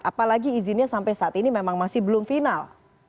apalagi izinnya sampai saat ini memang masih belum final